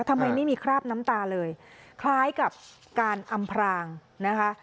ทำไมไม่มีคราบน้ำตาเลยคล้ายกับการอำพรางนะคะ